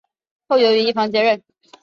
后由于一方接任。